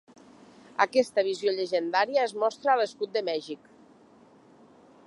Aquesta visió llegendària es mostra a l'escut de Mèxic.